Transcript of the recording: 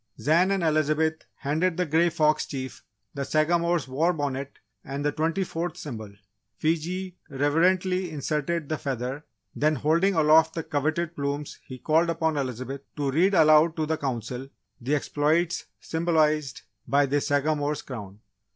Zan and Elizabeth handed the Grey Fox Chief the Sagamore's war bonnet and the twenty fourth symbol. Fiji reverently inserted the feather, then, holding aloft the coveted plumes he called upon Elizabeth to read aloud to the Council, the exploits symbolised by this Sagamore's Crown.